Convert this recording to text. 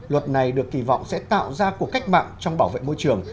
luật này được kỳ vọng sẽ tạo ra cuộc cách mạng trong bảo vệ môi trường